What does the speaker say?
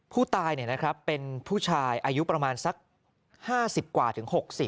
ผู้ตายเป็นผู้ชายอายุประมาณสัก๕๐กว่าถึง๖๐